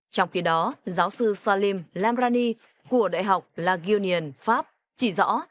trong khi đó giáo sư salim lamrani của đại học lagunian pháp chỉ rõ